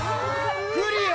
クリア！